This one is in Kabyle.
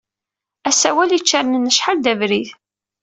Asawal ičernen acḥal d abrid.